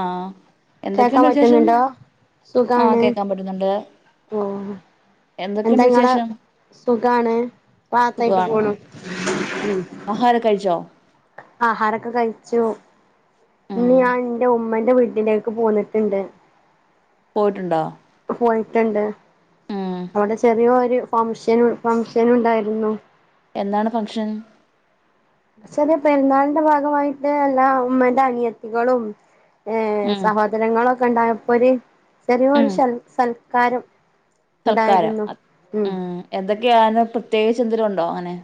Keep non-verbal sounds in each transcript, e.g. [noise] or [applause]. ആഹ് കേക്കാ എന്തൊക്കെയുണ്ട് വിശേഷം പറ്റുന്നുണ്ടോ ആഹ് സുഖാണ് കേക്കാൻ പറ്റുന്നുണ്ട് ഓ എന്തൊക്കെയുണ്ട് എന്തെങ്ങളെ വിശേഷം സുഖാണ് റഹത്തായിട്ട് പോണു ആഹാര കഴിച്ചോ ആഹാരൊക്കെ കഴിച്ചു ഇന്ന് ഉം ഞാൻ ഇന്റെ ഉമ്മന്റെ വീട്ടില്ലേക്ക് പോന്ന്ട്ട്ണ്ട് പോയിട്ടുണ്ടോ പോയിട്ട്ണ്ട് ഉം അവിടെ ചെറിയ ഒരു ഫംഷൻ ഫംഗഷൻ ഉണ്ടായിരുന്നു എന്താണ് ഫംഷൻ ചെറിയ പെരുന്നാളിന്റെ ഭാഗമായിട്ട് എല്ലാ ഉമ്മന്റെ അനിയത്തികളും ഏഹ് ഉം സഹോദരങ്ങളൊക്കെ ഉണ്ടായപ്പോ ഒര് ചെറിയൊരു ഉം സൽ സൽക്കാരം സൽക്കാരം ഉണ്ടായിരുന്നു ഉം എന്തൊക്കെയ അന്ന് പ്രത്യേകിച്ച് എന്തേരും ഉണ്ടോ അങ്ങനെ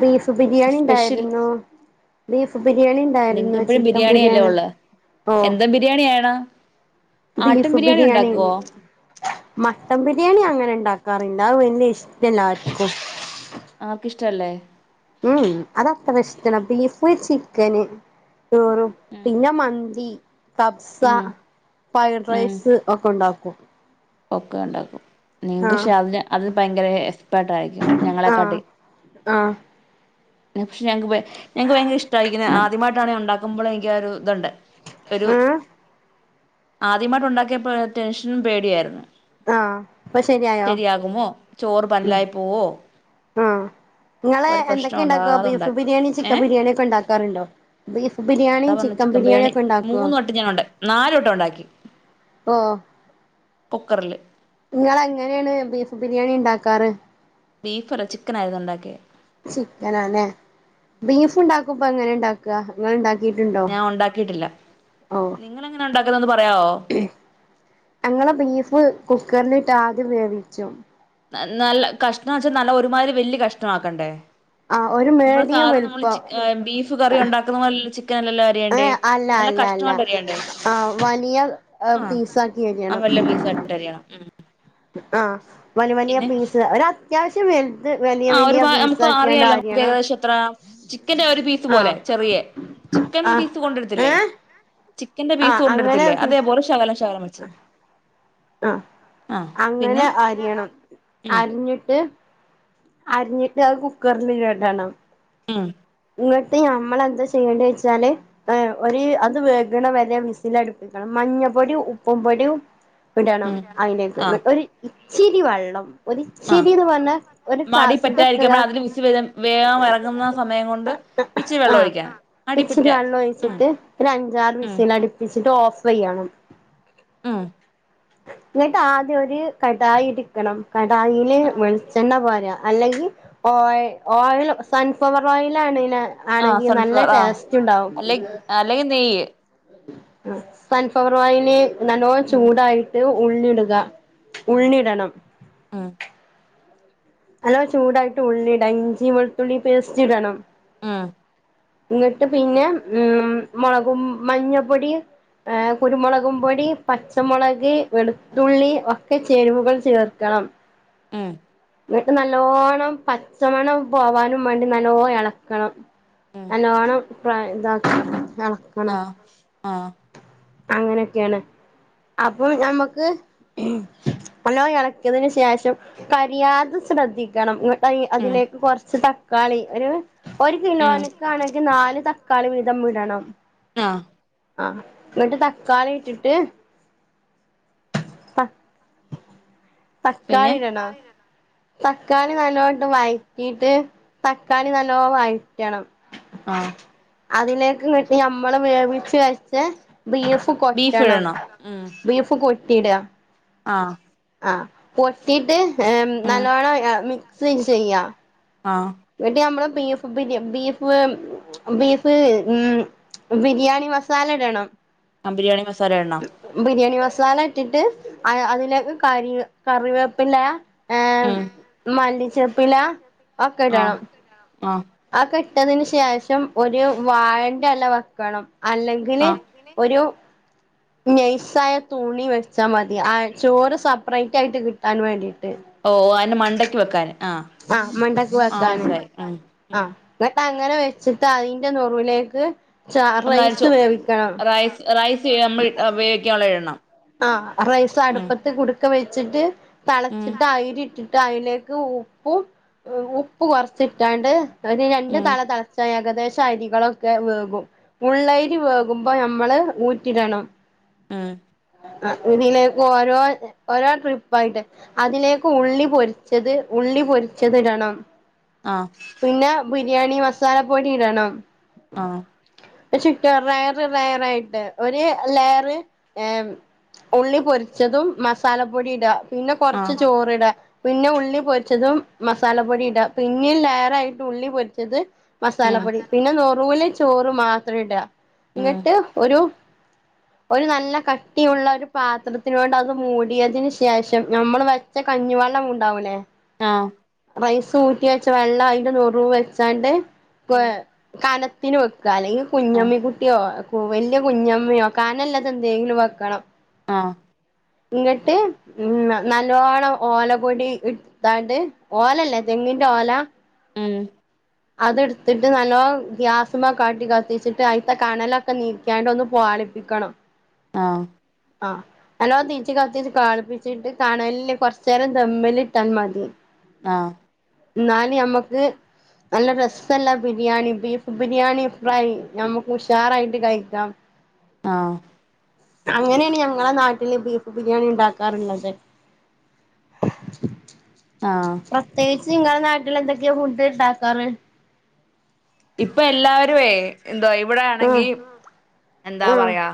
ബീഫ് ബിരിയാണി സ്പെഷ്യൽ ഉണ്ടായിരുന്നു ബീഫ് ബിരിയാണി നിങ്ങക്ക് ഉണ്ടായിന്ന് എപ്പഴും ചിക്കം അല്ലേ ബിരിയാണി ഉള്ളെ ഓ എന്താ ബിരിയാണിയാണ് ആട്ടും ബീഫ് ബിരിയാണി ഉണ്ടാക്കുവോ മട്ടൻ ബിരിയാണി അങ്ങനെ ഉണ്ടാക്കാറ്ല്ല അഹ് വല്യ ഇഷ്ടമല്ലാർക്കും ആക്ക് ഇഷ്ടല്ലേ ഉം അത് അത്ര ഇഷ്ടല്ല ബീഫ് ചിക്കന് ചോറും ഉം പിന്നെ മന്തി കബ്സ ഉം ഫ്രൈഡ് ഉം റൈസ് ഒക്കെ ഉണ്ടാക്കും ഒക്കെ ഉണ്ടാക്കും [unintelligible] ആഹ് പക്ഷേ അത് അത് ഭയങ്കര എസ്പേർട്ട ആയിരിക്കും ആഹ് ഞങ്ങളെക്കാട്ടി ആഹ് പക്ഷെ ഞക്ക് ഞക്ക് ഭയങ്കര ഇഷ്ടമായിരിക്കെ ആദ്യമായിട്ടാണ് ഉണ്ടാക്കുമ്പോള് എനിക്ക് ഒരു ഇതുണ്ട് ഒരു ഏഹ് ആദ്യമായിട്ട് ഉണ്ടാക്കിയപ്പോ ടെൻഷനും പേടിയും ആയിരുന്നു. ആഹ് ഇപ്പൊ ശരിയായോ ശരിയാകുമോ ചോറ് ഉം പൻലായി പോവോ ആഹ്. ഇങ്ങള് ഒരു പ്രശ്നം എന്തൊക്കെ ഉണ്ടാക്കാ ഉണ്ടാകാതെ ബീഫ് ഉണ്ടാക്കി ബിരിയാണി ഏ ചിക്കൻ ബിരിയാണി ഒക്കെ ഉണ്ടാക്കാറുണ്ടോ? ബീഫ് ബിരിയാണിം ചിക്കൻ ബിരിയാണിയൊക്കെ ഉണ്ടാക്കോ? [unintelligible] കൊണ്ട് നാല് വട്ടം ഉണ്ടാക്കി. ഓഹ് കുക്കർല് ഇങ്ങളെങ്ങനേണ് ബീഫ് ബിരിയാണി ണ്ടാക്കാറ്? ബീഫല്ല ചിക്കനായിരുന്നു ഉണ്ടാക്ക്യേ. ചിക്കനാല്ലേ. ബീഫ്ണ്ടാക്കുമ്പ എങ്ങനേണ്ടാ ക്കാ. ഇങ്ങള് ഇണ്ടാക്കീറ്റ്ണ്ടോ? ഓഹ് ഇങ്ങളെങ്ങനാ ഉണ്ടാക്കലൊന്ന് പറയാവോ. ഉം. ഞങ്ങള് ബീഫ് കുക്കർലിട്ട് ആദ്യം വേവിച്ചും. നല്ല കഷ്ണാന്ന് വച്ചാൽ നല്ല ഒരുമാതിരി വല്ലിയ കഷ്ണമാക്കണ്ടേ ആ ഒരു നമ്മള് മീഡിയം സാധ നമ്മള് വലുപ്പം ചിക് ഏഹ് ബീഫ് കറി ഉണ്ടാക്കുന്ന പോലല്ല ചിക്കനല്ലല്ല ഏ രിയണ്ടേ അല്ല നല്ല അല്ല അല്ല കഷ്ണമായിട്ടെരിയണ്ടേ. ആ വലിയ ആഹ് പീസാക്കി ആഹ് വല്ല്യ പീസായി ട്ടരിയണം മ് ആഹ് വല് വലിയ പീസ് ഒര ആഹ് ഒരു പാ നമുക്ക് പീസാക്കിയാണ്ട് അറിയാലോ അരിയണം നമുക്കേകദേശം എത്ര ചിക്കന്റെ ഒരു പീസ് ആ പോലെ ചെറിയ ചിക്കൻ ആ പീസ് ഏ കൊണ്ടിടത്തില്ലേ ചിക്കന്റെ ആ പീസ് കൊണ്ട് അങ്ങനെ ഇടത്തില്ലേ അതേപോലെ ശകലം ശകലം വെച്ച് ആഹ് ആഹ് പിന്നെ അങ്ങനെ അരിയണം ഉം അര്ഞ്ഞ്ട്ട് അരിഞ്ഞിട്ട് അത് കുക്കർല് എടണം ഉം ഇങ്ങട്ട് നമ്മളെന്താ ചെയ്യണ്ട്യെ വെച്ചാല് ഏഹ് ഒരു അത് വേഗ്ണ വരെ വിസ്സിലട്പ്പിക്കണം മഞ്ഞപ്പൊടിം ഉപ്പും പൊടിയും ഇടണം ഉം അയ്ലേക്ക് ആഹ് ഒര് ഇച്ചിരി വെള്ളം ആഹ് ഒര്ച്ചിരിന്ന് പർഞ്ഞാ ഒരു മടി ക്ലാസിന്റെ ക് കാ എന്നു ആ സമയം [unintelligible] ഇച്ചിരി വെള്ളം ആഹ് ഒഴിക്കണം അടിപ്പിറ്റ ഇച്ചിരി വെള്ളം ഉം ഒഴിച്ചിട്ട് ഒരു അഞ്ചാറ് ഉം വിസിലടി പ്പിച്ചിട്ട് ഓഫെയ്യണം ആഹ് ഇങ്ങട്ട് ആദ്യം ഒരു കടായി ഇട്ക്കണം കടായീല് വെളിച്ചെണ്ണ പാരാ. അല്ലെങ്കി ഓയ് ഓയൽ സൺഫ്ലവർ ഓയിൽ ആണേല് ആ ആണെങ്കി നല്ല സൺഫ്ലവർ ആ ടേസ്റ്റ് ണ്ടാവും അല്ലെ അല്ലെങ്കി നെയ്യ് ആഹ് സൺഫ്ലവർ ഓയില് നല്ലോം ഉം ചൂടായിട്ട് ഉള്ളി ഇടുക ഉം ഉള്ളി ടണം ഉം നല്ലോം ചൂടായിട്ട് ഉള്ളിട ഇഞ്ചി വെൾത്തുള്ളി പേസ്റ്റ് ഇടണം ആഹ് ഇങ്ങട്ട് പിന്നെ ഉം മുളകും മഞ്ഞപ്പൊടിം ഏഹ് കുരുമൊളകും പൊടി, പച്ചമൊളക്, വെളുത്തുള്ളി ഒക്കെ ചേരുവകൾ ചേർക്കണം. ഉം ഇന്നട്ട് നല്ലോണ്ണം പച്ചമണം പോവാനും മാണ്ടി നല്ലോണം എളക്കണം ഉം നല്ലോണം പ്രാ ഇതാക്കാ എളക്കണം ആ ആ അങ്ങനൊക്കെയാണ് അപ്പോൾ ഞമ്മുക്ക് നല്ലോയ്എളക്കിയതിന് ശേഷം കാരി വീയാതെ ശ്രദ്ധിക്കണം ന്നിട്ടൈ ഉം അതിലേക്ക് കൊറച്ച് തക്കാളി ഒരു ഒരു ഉം കിലോൻക്കാണെങ്കി നാല് തക്കാളി വീതം ഇടണം ആഹ് ആഹ് എന്നിട്ട് തക്കാളി ഇട്ടിട്ട് തക് പിന്നെ തക്കാളീടണാ തക്കാളി നല്ലോട്ട് വയ്റ്റീട്ട് തക്കാളി നല്ലോ വയ് ക്കണം. ആ അതിലേക്ക് ന്ന്ട്ട് ഞമ്മള് വേവിച്ച് വച്ച ബീഫ് ബീഫ് ഫ്കൊറ്റണം ഇടണം ബീഫ് കൊറ്റിയിട്അ ആഹ് ആഹ് പൊറ്റീട്ട് ആഹ് ഉം നല്ലോണ്ണം ആഹ് മിക്സ് ചെയ്യാ ആഹ് ന്നിട്ട് ഞമ്മള് ബീഫ് ബിര്യം ബീഫ് ബീഫ് ഉം ബിരിയാണി മസാല ഇടണം ആഹ് ബിരിയാണി മസാല ഇട്ണം ബിരിയാണി മസാല ഇട്ടിട്ട് അയ്അതിലേക്ക് കരി കറിവേപ്പില്ലയാ ഏഹ് ഉം മല്ലിച്ചെപ്പില ആഹ് ആഹ് ആക്കെ ഇട്ടതിന് ശേഷം ഒരു വാഴേൻ്റെല വക്കണം ആ അല്ലെങ്കില് ഒരു. നെയൈസായ തുണി വെച്ചാൽ മതി ആ ചോറ് സെപ്പറേറ്റ് ആയിട്ട് കിട്ടാൻ വേണ്ടിയിട്ട്. ഓഓ അതിന് മണ്ടയ്ക്ക് വെക്കാൻ ആ. ആഹ മണ്ടക്ക് ആ വെക്കാന മനസ്സിലായി ഉം ഉം ആഹ. എന്നിട്ട് അങ്ങനെ വെച്ചിട്ട് അതിന്റെനെറുവിലേക്ക് ചാർ നമ്മളാ റൈസ് ചോ വേവിക്കണം. റൈസ് റൈസ് നമ്മൾ വേവിക്കാനുള്ളത് ഇടണം. ആഹ റൈസ് ഉം അടുപ്പത്ത് കുടുക്ക വെച്ചിട്ട്. തിളച്ചിട്ട് അയിരി ഇട്ടിട്ട് അതിലേക്ക് ഉപ്പും ഉപ്പ് കൊറച്ചിട്ടാണ്ട്. ഒരു ഉം രണ്ടു ഉം തള തളച്ച ഏകദേശം. അരികളൊക്കെ വേകും ഉള്ളരി വേകുമ്പോ നമ്മള് ഊറ്റിടണം. ഉം. ആ ഇതിലേക്ക് ഓരോ ഓരോ ട്രിപ്പ ആായിട്ട്. അതിലേക്ക് ഉള്ളി പൊരിച്ചത് ഉള്ളി പൊരിച്ചത്ടണം. ആഹ. പിന്നെ ബിരിയാണി മസാല പൊടി ഇടണം. ആ. ന്നട്ട് റയർ റയർ ആായിട്ട് ഒരു ലെയറ്. ഉള്ളി പൊരിച്ചതും മസാലപ്പൊടി ഇടാ പിന്നെ കുറച്ച് ആഹ് ചോറ് ഇടാ. പിന്നെ ഉള്ളി പൊരിച്ചതും മസാലപ്പൊടി ഇട് പിന്നെയും ലേറായിട്ട് ഉള്ളി പൊരിച്ചത്. ഉം മസാലപ്പൊടി പിന്നെ നോറൂള് ചോറ് മാത്രം ഇടാ. ഉം ഇങ്ങിട്ട് ഒരു ഒരു നല്ല ക കട്ടിയുള്ള ഒരു പാത്രത്തിന് കൊണ്ട് അത് മൂടിയതിനന് ശേഷം നമ്മൾ വെച്ച കഞ്ഞി വെള്ളം ഉണ്ടാവൂലേ. ആഹ. റൈസ് ഊറ്റി വച്ച വെള്ളം അതിന്റെ നൊറു വെച്ചാണ്ട് ഉം കന. കുട്ടന് വെക്കുക അല്ലെങ്കിൽ ആഹ് കുഞ്ഞമ്മി കുട്ടിയോ വലിയ കുഞ്ഞമ്മിയോ കാനല്ലത് എന്തെങ്കിലും വെക്കണം. ആ ങ്ങട്ട് നല്ലോണം മ് ഓലകൊടി ഇ എട്ത്താണ്ട് ഓലല്ലേ തെങ്ങിന്റെ ഓല മ് അത് എട്‌ത്തിട്ട് നല്ലോ ഗ്യാസമാ കാട്ടി കത്തിച്ചിട്ട് അയിത്ത കണലൊക്കെ നീ ക്ക്യാണ്ട് ഒന്ന് പാളിപ്പിക്കണം. ആ. അ നല്ലോ തീജ്ജ് കത്തിച്ച് കാളിപ്പിച്ചിട്ട് കനലിൽ കൊറച്ചേരം ദമ്മിൽ ഇട്ടാൽ മതി. ആ. ന്നാൽ നമ്മക്ക്. ന്നാൽ നല്ല രസല്ല ബിരിയാണി ബീഫ് ബിരിയാണി ഫ്രൈ നമുക്ക് ഉഷാറായിട്ട് കഴിക്കാം. ആ. അങ്ങനെയാണ് ഞങ്ങളെ നാട്ടില് ബീഫ് ബിരിയാണി ണ്ടാക്കാറ്ള്ളത്. ആഹ് പ്രത്യേകിച്ച് ങ്ങളെ നാട്ടിൽ എന്തൊക്കെയാ ഫുഡ് ണ്ടാക്കാറ്. ഇപ്പൊ എല്ലാവരുഏ എന്തോ ആഹ് ഇവിടെയാണെങ്കി എന്താ ആഹ് പറയാ.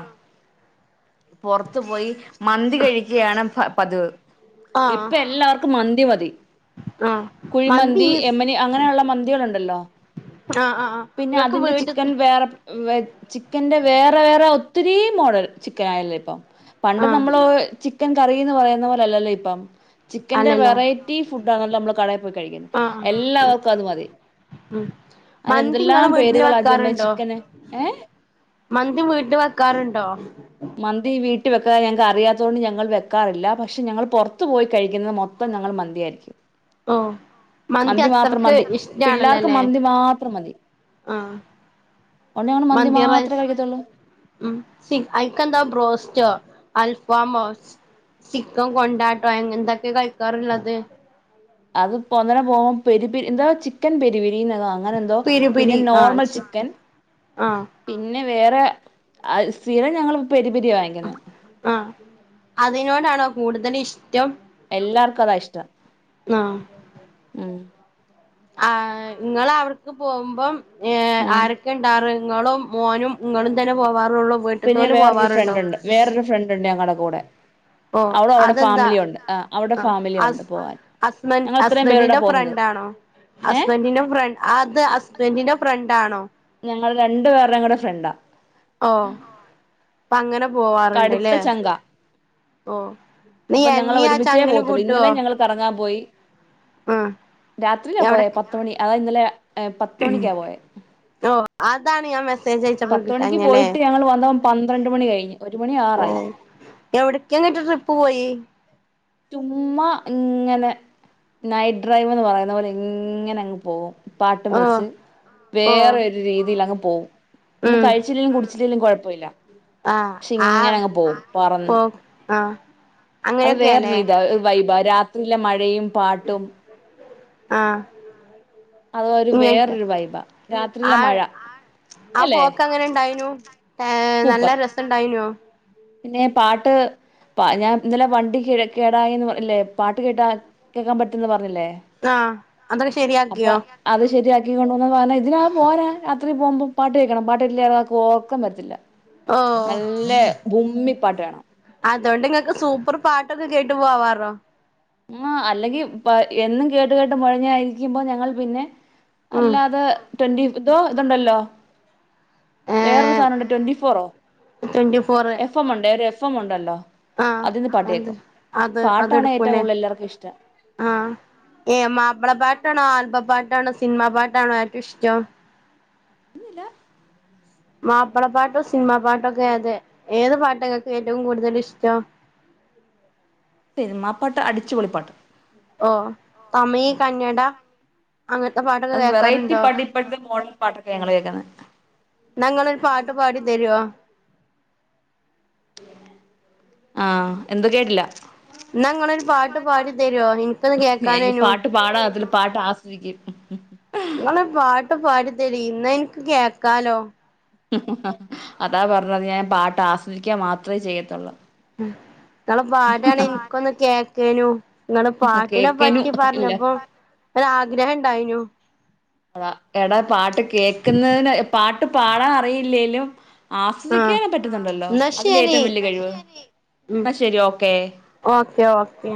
പുറത്തു പോയി മന്തി കഴിക്കിയാണ് പ പതിവ് ആഹ് ഇപ്പൊ എല്ലാവർ ക്കും മന്തി മതി ആഹ് മന്തി കുഴിമന്തി ഈസ് എമ്മനി അങ്ങനെയ്ള്ള മന്തികൾ ഉണ്ടല്ലോ. ആഹ് ആഹ് ആഹ് പിന്നെ നിങ്ങൾക്ക് അതിന്റെ ചിക്കൻ വീട്ട്ത്തെ വേറെ. വെ ചിക്കന്റെ വേറെ വേറെ ഒത്തിരി മോഡൽ ചിക്കൻ ആയല്ലേ ഇപ്പം. പണ്ട് ആഹ് നമ്മള് ചിക്കൻ കറീന്ന് പറയ്ന്ന പോല്ലല്ലോ ഇപ്പം ചിക്കന്റെ അല്ലല്ലോ വെറൈറ്റി. ഫുഡ് ആണല്ലോ നമ്മൾ കടയിൽ പോയി കഴിക്ക്ന്നത് ആഹ് എല്ലാവർക്കും അത് മതി. ഉം മന്തി അതെന്തെല്ലാം ഇങ്ങള് വീട്ടില് പേരുകള ജമ വെക്കാറുണ്ടോ ചിക്കന് ഏ. മന്തി വീട്ട് വെക്കാറുണ്ടോ. മന്തി വീട്ടിൽ വെക്കാ ഞങ്ങൾക്ക് അറിയാത്തോണ്ട് ഞങ്ങൾ വെക്കാറില്ല പക്ഷെ ഞങ്ങൾ പുറത്ത് പോയി കഴിക്ക്ന്നത് മൊത്തം ഞങ്ങൾ മന്തിയായിരിക്കും ഓഹ് മന്തി മാത്രം അത്രക്ക് മതി പിള്ളേർക്ക് ഇഷ്ടാണല്ലോല്ലേ മന്തി മാത്രം മതി ആഹ് അതോണ്ട് മന്തി മാത്രേ കഴിക്കത്തുള്ളു മ് അയ്ക്കെന്തോ ബ്രോസ്റ്റോ അൽഫാമോ ചിക്കൻ കൊണ്ടാട്ടോ എന്തൊക്കെ കഴിക്കാറ്ള്ളത് അത് പ്പൊ ഒന്നനെ പോകു പെരിരി എന്താ ചിക്കൻ പെരിപിരി എതോ അങ്ങനെന്തോ പിരി പിന്നെ പിരി ആഹ് നോർമൽ ചിക്കൻ ആഹ് പിന്നെ വേറെ അ സ്ഥിരം ഞങ്ങൾ പെരിപെരിയ വാങ്ങിക്ക്ന്നെ ആ അതിനോടാണോ കൂടുതല് ഇഷ്ടം എല്ലാർക്കും അതാ ഇഷ്ടം ആ മ് ആ ങ്ങൾ അവട്‌ക്ക് പോകുമ്പോ ഏ ഉം ആരൊ ക്കെ ണ്ടാറ് ഇങ്ങളും മോനും ഇങ്ങളും തന്നെ പോവാറുള്ളു പിന്നെ വീട്ടിൽത്തോല് വേറൊരു പോവാറ്ണ്ടോ ഫ്രണ്ട് ഉണ്ട് വേറൊരു ഫ്രണ്ട്ണ്ട് ഞങ്ങടെ കൂടെ ഓഹ് അവളവിടെ അതെന്താ ഫാമിലി ഉണ്ട് ആ അവിടെ ആഹ് ഫാമിലി ഉണ്ട് ഹസ് പോവാൻ ഹസ്ബൻ ഞങ്ങൾ ഇത്രയും പേരുടെ ഹസ്ബന്റിൻന്റെ പോകുന്നത് ഫ്രണ്ട് ആണോ ഏ ഹസ്ബന്റിന്റെ ഫ്ര അത് ഹസ്ബന്റിന്റെ ഫ്രണ്ട് ആണോ ഞങ്ങള് രണ്ടു പേര്ടെ കൂടെ ഫ്രണ്ട ഓ അപ്പൊ അങ്ങനെ കടുത്ത പോവാറുണ്ട്ല്ലേ ചങ്ക ഓ നീ അപ്പൊ ഞങ്ങള് എന്നീ ആ ഒരുമിച്ചേ പോവ ചങ്ങില് ത്തുള്ളൂ ഇന്നലെ കൂട്ടുവോ ഞങ്ങ കറങ്ങാൻ പോയി ആ രാത്രിയില എവിടെ പോയെ പത്തുമണി അതാ ഇന്നലെ ഏപത്തുമണിക്കാ പോയെ ഓ അതാണ് ഞാൻ മെസ്സേ പത്തുമണിക്ക് പോയിട്ട് ഞങ്ങൾ വന്നത് പന്ത്രണ്ട് മണി കഴിഞ് ഒരു മണി ആകാറായി എവിടക്കെ ന്നട്ട് ട്രിപ്പ് പോയി ചുമ്മാ ഇങ്ങനെ നൈറ്റ് ഡ്രൈവ്ന്ന് പറയുന്ന പോലെ ഇങ്ങനെ അങ്ങ് പോവും പാട്ടും ഓ വെച്ച് ഓ വേറെ ഒരു രീതിൽ അങ്ങ് പോകും ഒന്ന് ഉം കഴിച്ചില്ലെങ്കിൽ ലും കുഴപ്പമില്ല ആ പക്ഷെ ഇങ്ങനെ അങ്ങ് പോകും പറന്ന് ആഹ് അത് വേറെ രീതാ വൈബ രാത്രിയിലെ മഴയും പാട്ടും ആഹ് അതൊരു വേറൊരു വൈബ ആ രാത്രിയിലെ മഴ ആ അല്ലേ പോക്ക് എങ്ങനെ ഇണ്ടായിനു നല്ല രസ ഇണ്ടായിനോ പിന്നെപാട്ട് പ ഞാൻ ഇന്നലെ വണ്ടി കേടായിന്ന് പറല്ലേ പാട്ട് കേട്ടാ കേൾക്കാൻ പറ്റുംന്ന് പറഞ്ഞില്ലേ ആഹ് അതൊക്കെ അപ്പൊ ശരിയാക്കിയോ? അത് ശെരിയാക്കി കൊണ്ട വന്നന്ന് പറഞ്ഞാ ഇതിനാ പോരേരാത്രി പോക്മ്പൊ പാട്ട് കേൾക്കണം പാട്ട് കേട്ടില്ലക്ക് ഒ ർക്കം വരത്തില്ല ഓ നല്ല ഭമ്മി പാട്ട് വേണം അതോണ്ട് നിങ്ങൾക്ക് സൂപ്പർ പാട്ടൊക്കെ കേട്ട് പോവാറോ [unintelligible] അല്ലെങ്കി എന്നും കേട്ട് കേട്ട് മുഴഞ്ഞായിരിക്കുമ്പോ ഞങ്ങൾ പിന്നെ ഉം അല്ലാതെ ട്വന്റി ഇതോ ഇതുണ്ടല്ലോ വേറൊരു ഏഹ് സാധനംണ്ട് ട്വന്റി ഫോറോ ട്വന്റി ഫോറ് എഫ് എം ഉണ്ട് ഒരു എഫ് എം ഉണ്ടല്ലോ ആഹ് അതിൽന്ന് പാട്ട എന്ത് കേൾക്കും അത് പാട്ടാണ്ഏ അതെടുക്കൂലേ എല്ലാർക്കും ഇഷ്ട്ടം ആഹ് ഏ മാപ്പിള പാട്ടാണോ, ആൽബം പാട്ടാണോ, സിനിമ പാട്ടാണോ ഏറ്റവും ഇഷ്ടം ഹലോ മാപ്പള പാട്ടോ സിനിമാ പാട്ടോക്കെ അതെ ഏത് പാട്ട് ങ്ങൾക്ക് ഏറ്റവും കൂടുതൽ ഇഷ്ടം സിനിമ പാട്ട് അടിച്ചു പൊളി പാട്ട് ഓ തമിഴ് കന്നഡ അങ്ങനത്തെ പാട്ടൊ അത് വെറയ്റ്റി പടിപ്പാട്ട് ഇപ്പഴത്തെ മോഡൽ പാട്ടൊക്കെ ഞങ്ങള് കേക്ക്‌ന്നേ. ന്നാ ഇങ്ങളൊര് പാട്ട് പാടി തരുവോ? ആഹ് എന്താ കേട്ടില്ല. ഇന്നാ ഇങ്ങളൊരു പാട്ട് പാടി തരുവോ ഇനിക്കൊന്ന് കേൾക്കാനേനു. പാടാ [unintelligible] പാട്ട് ആസ്വദിക്ക് ഇങ്ങള് പാട്ട് പാടിത്തരീ ഇന്നാ ഇൻക്ക് കേക്കാലോ. അതാ പറഞ്ഞത് ഞാൻ പാട്ട് ആസ്വദിക്കാൻ മാത്രമേ ചെയ്യത്തൊള്ള് ങ്ങള് പാടാണേ എനിക്കൊന്ന് കേക്കേനു. ഇങ്ങളെപാട്ടിനെ കേക്കനും പറ്റി ഇല്ല പറഞ്ഞപ്പം ഒരാആഗ്രഹം ഇണ്ടായിനു. ഴാ എടാ പാട്ട് കേക്ക്‌ന്നതിന് പാട്ട് പാടാൻ അറിയില്ലേലും ആഹ് ആസ്വദിക്കാൻക്കെ പറ്റ്ന്ന്ണ്ടല്ലോ എന്നാ അതില്ലേ ശരി ഏറ്റവും വല്യകഴിവ് ഉം എന്നാ ശെരി ഓക്കേ. Okay okay.